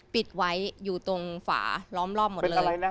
ปิดไว้อยู่ตรงฝาล้อมรอบหมดเลย